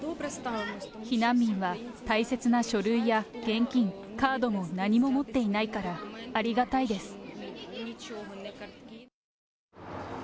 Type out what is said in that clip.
避難民は大切な書類や現金、カードも何も持っていないから、ありがたいです。